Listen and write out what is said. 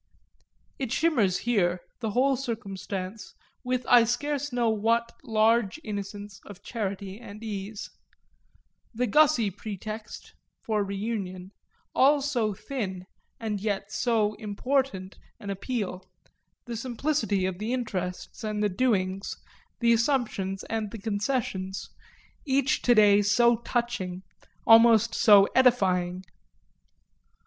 It shimmers there, the whole circumstance, with I scarce know what large innocence of charity and ease; the Gussy pretext, for reunion, all so thin yet so important an appeal, the simplicity of the interests and the doings, the assumptions and the concessions, each to day so touching, almost so edifying.